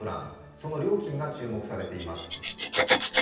その料金が注目されています。